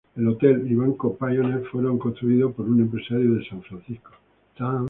El Hotel y Banco Pioneer fueron construidos por un empresario de San Francisco.